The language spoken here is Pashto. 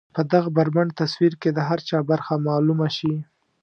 په دغه بربنډ تصوير کې د هر چا برخه معلومه شي.